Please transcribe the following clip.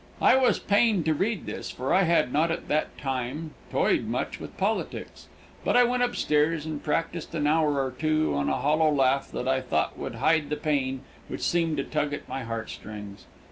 I was pained to read this, for I had not at that time toyed much with politics, but I went up stairs and practiced an hour or two on a hollow laugh that I thought would hide the pain which seemed to tug at my heart strings.